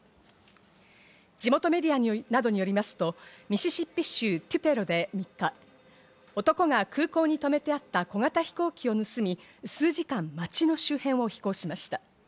地元メディアなどによりますと、ミシシッピ州テュペロで３日、男が空港に停めてあった小型飛行機を盗み、数時間、町の周辺を飛行しました。